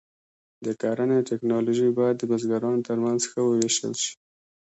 د کرنې ټکنالوژي باید د بزګرانو تر منځ ښه وویشل شي.